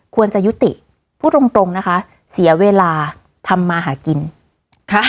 ควรจะยุติพูดตรงตรงนะคะเสียเวลาทำมาหากินค่ะ